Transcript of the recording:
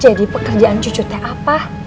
jadi pekerjaan cucu teh apa